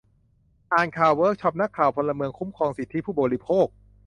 อ่านข่าวเวิร์กช็อปนักข่าวพลเมืองคุ้มครองสิทธิผู้บริโภค